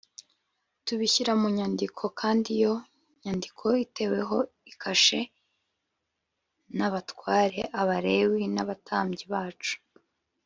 tubishyira mu nyandiko kandi iyo nyandiko iteweho ikashe m n abatware Abalewi n abatambyi bacu